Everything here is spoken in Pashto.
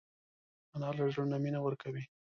انا له زړه نه مینه ورکوي